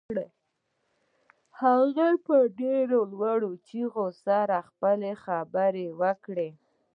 هغې په ډېرو لوړو چيغو سره خپله خبره وکړه.